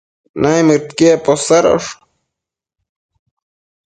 naimëdquiec posadosh